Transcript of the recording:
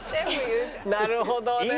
なるほどね。